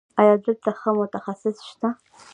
ایا دلته ښه متخصص شته؟